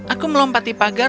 aku melompati pagar